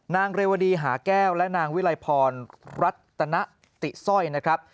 นางเรวดีหาแก้วและนางวิลัยพรรัตนติสร้อยนะครับ